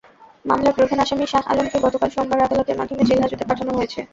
মামলার প্রধান আসামি শাহ আলমকে গতকাল সোমবার আদালতের মাধ্যমে জেলহাজতে পাঠানো হয়েছে।